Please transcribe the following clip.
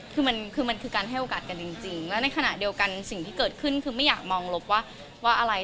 คือมันคือมันคือการให้โอกาสกันจริงแล้วในขณะเดียวกันสิ่งที่เกิดขึ้นคือไม่อยากมองลบว่าอะไร